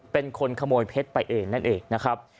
เป็นคนขโมยเพชรไปเองนั่นเองนะครับ